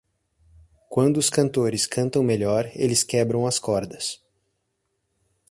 Quando os cantores cantam melhor, eles quebram as cordas.